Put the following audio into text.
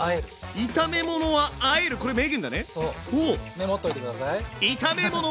メモっといてください。